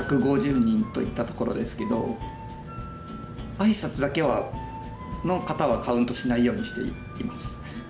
挨拶だけの方はカウントしないようにしています。